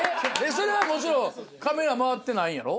それはもちろんカメラ回ってないんやろ？